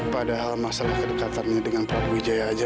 padahal masalah kedekatannya dengan prabu wijaya aja